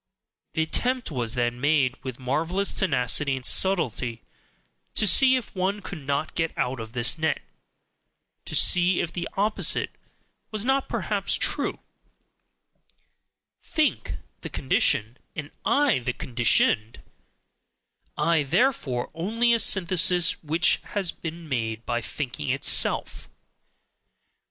The attempt was then made, with marvelous tenacity and subtlety, to see if one could not get out of this net, to see if the opposite was not perhaps true: "think" the condition, and "I" the conditioned; "I," therefore, only a synthesis which has been MADE by thinking itself.